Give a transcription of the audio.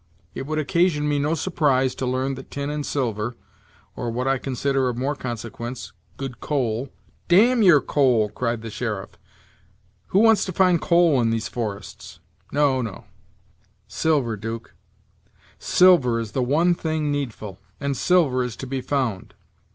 It would occasion me no surprise to learn that tin and silver, or what I consider of more consequence, good coal " "Damn your coal," cried the sheriff; "who wants to find coal in these forests? No, no silver, 'Duke; silver is the one thing needful, and silver is to be found.